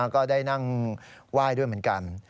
ก็ได้นั่งไหว้ด้วยเหมือนกัน